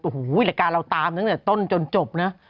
โอ้โหรายการเราตามตั้งแต่ต้นจนจบนะ